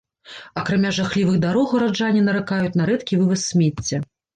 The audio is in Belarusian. Акрамя жахлівых дарог гараджане наракаюць на рэдкі вываз смецця.